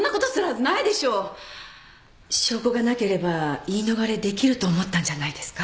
証拠がなければ言い逃れできると思ったんじゃないですか？